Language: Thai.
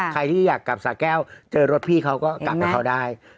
ใครที่อยากกลับสาแก้วเจอรถพี่เขาก็กลับกับเขาได้